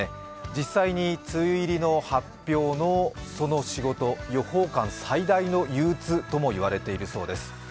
実際に梅雨入りの発表のその仕事予報官最大の憂鬱ともいわれているそうです。